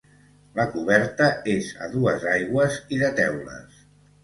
La coberta és a dues aigües i de teules.